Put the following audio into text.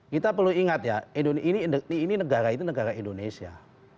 kita perlu ingat ya ini negara itu negara indonesia